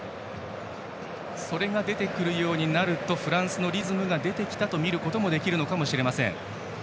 それが出てくるようになるとフランスのリズムが出てきたと見ることができるかもしれません。